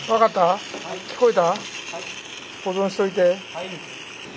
・はい。